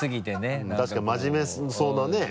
うん確かに真面目そうなね。